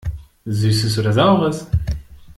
Süßes oder Saures!